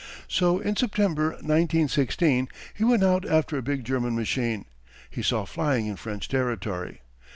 So in September, 1916, he went out after a big German machine, he saw flying in French territory.